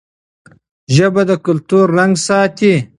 ژبه د کلتور رنګ ساتي.